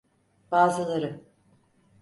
Bazıları.